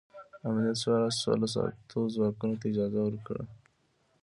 امنیت شورا سوله ساتو ځواکونو ته اجازه ورکړه.